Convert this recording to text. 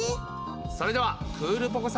それではクールポコ。